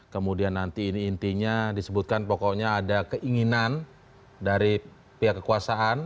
kemudian nanti ini intinya disebutkan pokoknya ada keinginan dari pihak kekuasaan